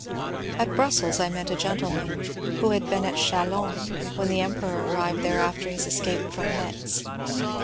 At Brussels I met a gentleman who had been at Chalons when the Emperor arrived there after his escape from Metz.